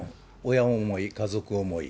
親思い、家族思い。